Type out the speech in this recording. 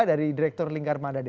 dari direktur lingkar mandade